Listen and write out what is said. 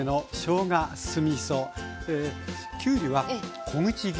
きゅうりは小口切りでした。